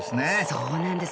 そうなんです。